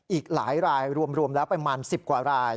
อีกหลายรายรวมแล้วประมาณ๑๐กว่าราย